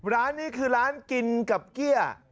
ร้านนี้คือร้านกินกับเกี้ย